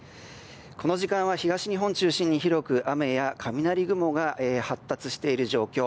この時間は東日本中心に広く雨や雷雲が発達している状況。